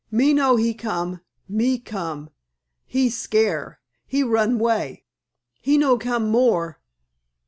"Me know he come. Me come. He scare. He run 'way. He no come more.